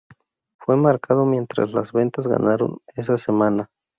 Fue marcado mientras las ventas ganaron esa semana.